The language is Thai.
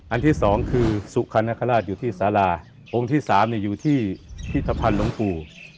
อันที่สองคือสุขานาคาราชอยู่ที่สาราองค์ที่สามเนี่ยอยู่ที่พิทธภัณฑ์ลงปู่